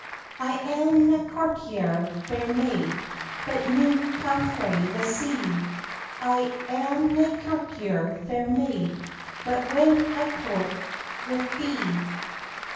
"I am na courtier, fair maid, But new come frae the sea; I am nae courtier, fair maid, But when I court'ith thee.